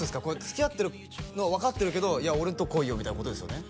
つきあってるのは分かってるけどいや俺のとこ来いよみたいなことですよね？